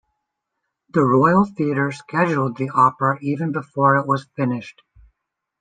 The Royal Theatre scheduled the opera even before it was finished.